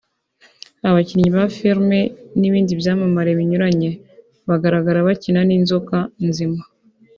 abakinnyi ba filime n’ibindi byamamare binyuranye bagaragara bakina n’inzoka nzima